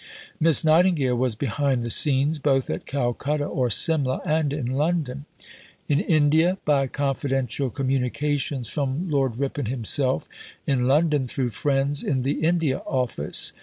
Miss Nightingale was behind the scenes both at Calcutta or Simla and in London: in India by confidential communications from Lord Ripon himself, in London through friends in the India Office.